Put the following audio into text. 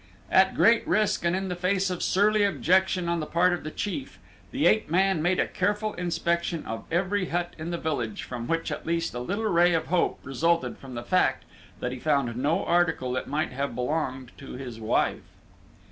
At great risk and in the face of surly objection on the part of the chief, the ape man made a careful inspection of every hut in the village from which at least a little ray of hope resulted from the fact that he found no article that might have belonged to his wife.